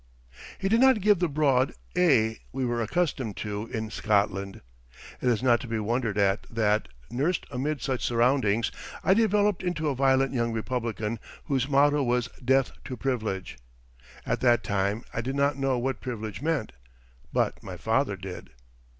He did not give the broad a we were accustomed to in Scotland. It is not to be wondered at that, nursed amid such surroundings, I developed into a violent young Republican whose motto was "death to privilege." At that time I did not know what privilege meant, but my father did.